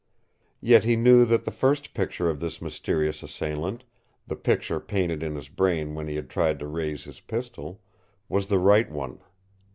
Yet he knew that the first picture of his mysterious assailant, the picture painted in his brain when he had tried to raise his pistol, was the right one.